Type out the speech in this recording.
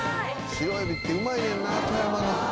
白エビってうまいねんな富山の。